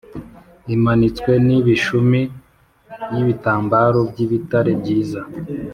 imanitswe n’imishumi y’ibitambaro by’ibitare byiza